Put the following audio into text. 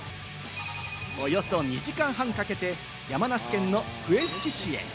およそ２時間半かけて山梨県の笛吹市へ。